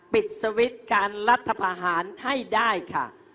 ปิดสวิตช์การรัฐพาหารให้ได้ค่ะ